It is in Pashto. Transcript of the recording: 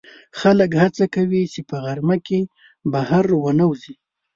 خلک هڅه کوي چې په غرمه کې بهر ونه وځي